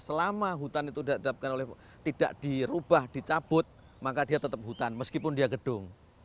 selama hutan itu tidak dirubah dicabut maka dia tetap hutan meskipun dia gedung